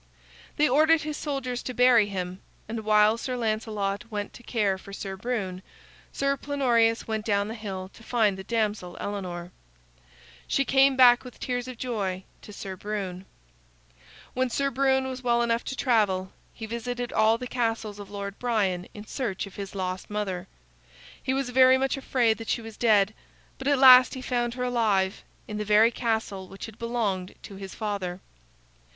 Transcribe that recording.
They ordered his soldiers to bury him, and while Sir Lancelot went to care for Sir Brune, Sir Plenorius went down the hill to find the damsel Elinor. She came back with tears of joy to Sir Brune. [Illustration: "He pushed him until he was but a step from the edge"] When Sir Brune was well enough to travel, he visited all the castles of Lord Brian, in search of his lost mother. He was very much afraid that she was dead, but at last he found her alive, in the very castle which had belonged to his father.